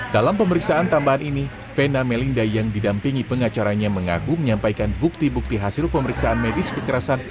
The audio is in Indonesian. dalam pemeriksaan tambahan ini vena melinda yang didampingi pengacaranya mengaku menyampaikan bukti bukti hasil pemeriksaan medis kekerasan